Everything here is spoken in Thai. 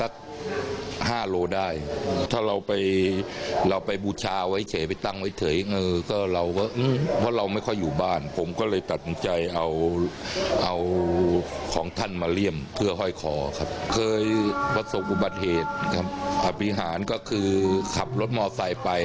ประสบอุบัติเหตุครับอภิหารก็คือขับรถมอไซค์ไป